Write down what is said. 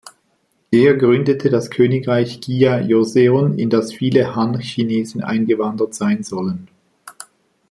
Er gründete das Königreich Gija-Joseon, in das viele Han-Chinesen eingewandert sein sollen.